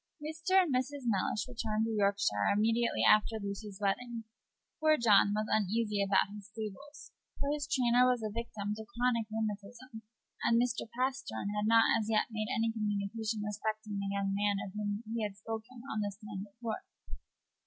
Mr. and Mrs. Mellish returned to Yorkshire immediately after Lucy's wedding. Poor John was uneasy about his stables: for his trainer was a victim to chronic rheumatism, and Mr. Pastern had not as yet made any communication respecting the young man of whom he had spoken on the stand at York.